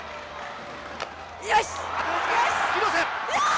よし！